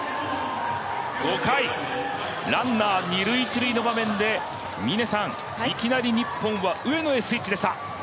５回、ランナー、二・一塁の場面でいきなり日本は上野へスイッチでした。